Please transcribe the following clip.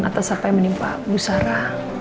atas apa yang menimpa busara